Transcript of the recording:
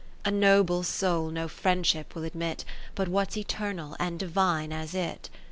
A noble soul no friendship will admit. But what 's Eternal and Divine as it.